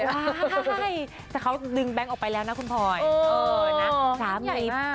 เพราะเค้าดึงแบบออกไปแล้วนะคุณพอยสามีปลื้มสุด